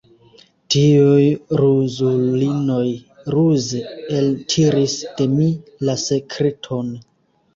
Tiuj ruzulinoj ruze eltiris de mi la sekreton.